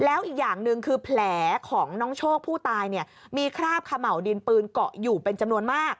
แล้วอีกอย่างหนึ่งคือแผลของน้องโชคผู้ตายเนี่ยมีคราบเขม่าวดินปืนเกาะอยู่เป็นจำนวนมาก